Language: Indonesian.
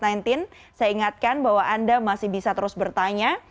saya ingatkan bahwa anda masih bisa terus bertanya